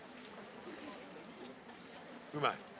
・うまい？